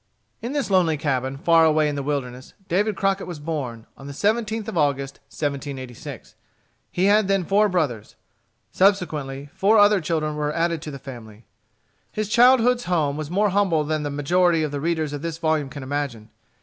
In this lonely cabin, far away in the wilderness, David Crockett was born, on the 17th of August, 1786. He had then four brothers. Subsequently four other children were added to the family. His childhood's home was more humble than the majority of the readers of this volume can imagine.